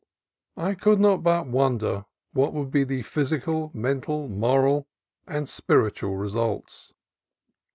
I could not but wonder what would be the physical, mental, moral, and spiritual results.